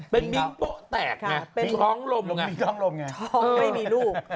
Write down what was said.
เป็นมิ้งโป๊ะแตกไงมีท้องลมมีท้องลมไงไม่มีลูก